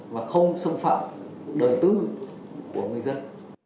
và không xâm phạm đời tư của người dân